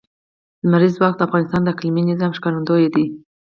لمریز ځواک د افغانستان د اقلیمي نظام ښکارندوی ده.